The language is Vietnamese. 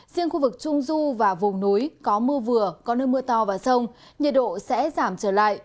riêng khu vực trung du và vùng núi có mưa vừa có nơi mưa to và sông nhiệt độ sẽ giảm trở lại